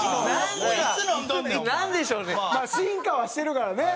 進化はしてるからね。